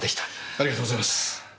ありがとうございます。